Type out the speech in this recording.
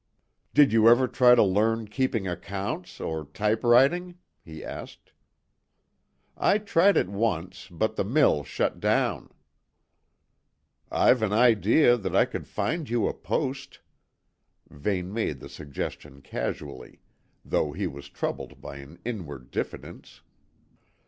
"Did you never try to learn keeping accounts or typewriting?" he asked. "I tried it once, but the mill shut down." "I've an idea that I could find you a post," Vane made the suggestion casually, though he was troubled by an inward diffidence.